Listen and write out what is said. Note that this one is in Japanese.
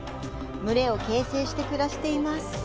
群れを形成して暮らしています。